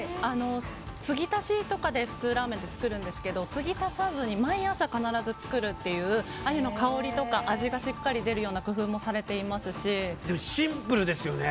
継ぎ足しとかで普通ラーメンって作るんですけど継ぎ足さずに毎朝必ず作るという鮎の香りとか味がしっかり出るようなシンプルですよね。